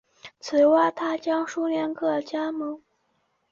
此外他还将苏联各加盟共和国的宪法译为中文。